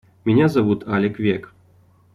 Меня зовут Алек Век.